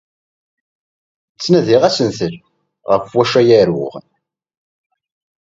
Ttnadiɣ asentel ɣef wacu ara aruɣ.